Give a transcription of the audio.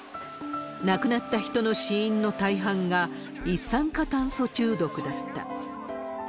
亡くなった人の死因の大半が一酸化炭素中毒だった。